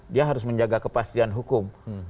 dia harus menjaga kepastian hukum